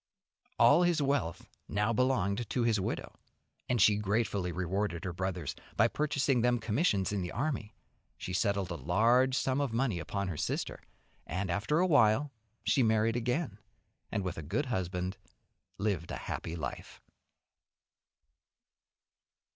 All his wealth now belonged to his widow, and she gratefully rewarded her brothers by purchasing them commissions in the army; she settled a large sum of money upon her sister, and after a while she married again, and with a good husband lived a happy life.